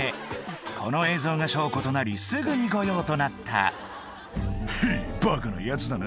この映像が証拠となりすぐに御用となった「ヘッバカなヤツだな」